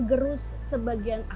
kita bisa berpengalaman